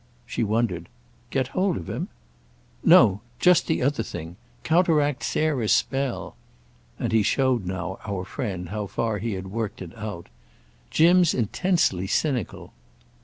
She wondered. "Get hold of him?" "No—just the other thing. Counteract Sarah's spell." And he showed now, our friend, how far he had worked it out. "Jim's intensely cynical."